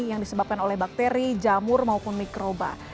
yang disebabkan oleh bakteri jamur maupun mikroba